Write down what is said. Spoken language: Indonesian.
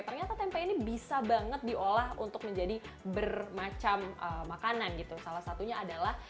ternyata tempe ini bisa banget diolah untuk menjadi bermacam makanan gitu salah satunya adalah